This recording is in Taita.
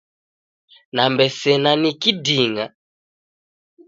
Nambe sena ni kiding’a